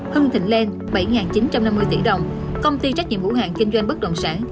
hưng thịnh lên bảy chín trăm năm mươi tỷ đồng công ty trách nhiệm hữu hàng kinh doanh bất động sản